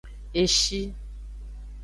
Eshi.